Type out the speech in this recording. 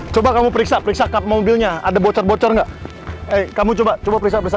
coba kamu periksa periksa kap mobilnya ada bocor bocor nggak eh kamu coba periksa